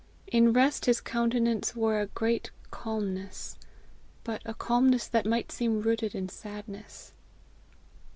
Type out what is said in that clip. In rest his countenance wore a great calmness, but a calmness that might seem rooted in sadness.